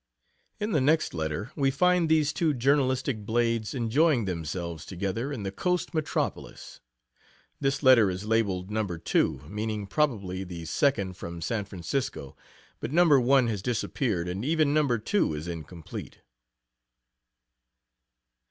In the next letter we find these two journalistic "blades" enjoying themselves together in the coast metropolis. This letter is labeled "No. 2," meaning, probably, the second from San Francisco, but No. 1 has disappeared, and even No, 2 is incomplete.